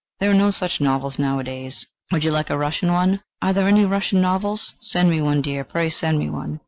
"There are no such novels nowadays. Would you like a Russian one?" "Are there any Russian novels? Send me one, my dear, pray send me one!"